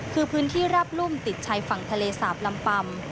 คือพื้นที่ราบรุ่มติดชายฝั่งทะเลสาบลำปำ